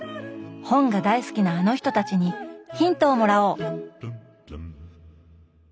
本が大好きなあの人たちにヒントをもらおう！